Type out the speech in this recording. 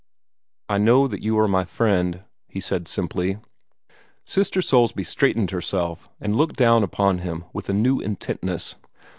"I know that you are my friend," he said simply. Sister Soulsby straightened herself, and looked down upon him with a new intentness.